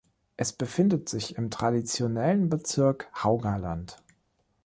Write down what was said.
Es befindet sich im traditionellen Bezirk Haugaland.